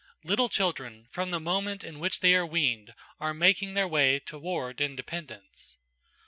Little children, from the moment in which they are weaned, are making their way toward independence.